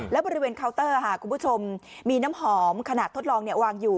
และบริเวณเคาน์เตอร์คุณผู้ชมมีน้ำหอมขนาดทดลองวางอยู่